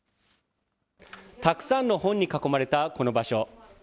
たくさんの本に囲まれたこの場所。